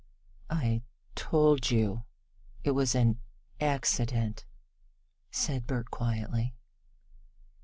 "I told you it was an accident," said Bert quietly.